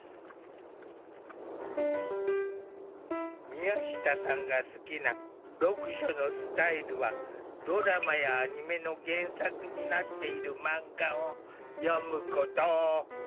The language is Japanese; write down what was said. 宮下さんが好きな読書のスタイルはドラマやアニメの原作になっているマンガを読むこと。